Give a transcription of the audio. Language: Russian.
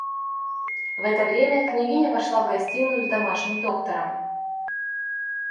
В это время княгиня вошла в гостиную с домашним доктором.